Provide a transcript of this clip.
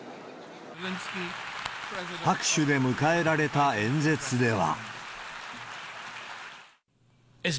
拍手で迎えられた演説では。